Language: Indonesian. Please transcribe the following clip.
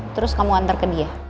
terus kamu antar ke dia